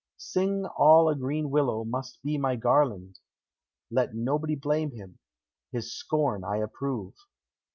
"Sing all a green willow must be my garland; Let nobody blame him, his scorn I approve.